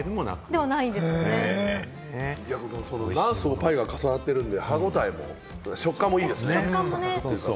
何層もパイが重なってるんで、歯応えも食感もいいですよね。